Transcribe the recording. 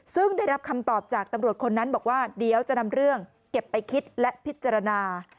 ซึ่งได้รับคำตอบจากตำรวจคนนั้นบอกว่าเดี๋ยวจะนำเรื่องเก็บไปคิดและพิจารณา